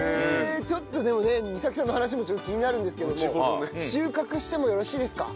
ちょっとでもね美咲さんの話も気になるんですけども収穫してもよろしいですか？